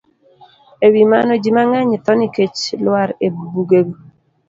E wi mano, ji mang'eny tho nikech lwar e bugego